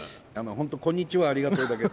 本当「こんにちは」「ありがとう」だけ。